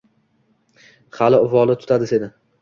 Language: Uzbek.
Hali uvoli tutadi seni